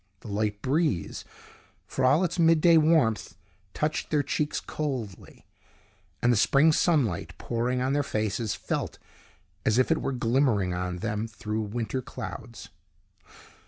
The light breeze, for all its midday warmth, touched their cheeks coldly; and the spring sunlight pouring on their faces felt as if it were glimmering on them through winter clouds.